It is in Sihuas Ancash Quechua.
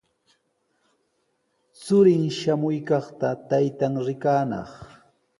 Churin shamuykaqta taytan rikanaq.